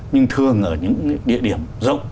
nhưng thường ở những địa điểm rộng